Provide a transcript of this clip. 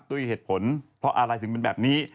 ด้วยเหตุผลเพราะอะไรถึงเป็นแบบนี้